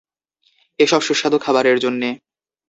এসব সুস্বাদু খাবারের জন্যে।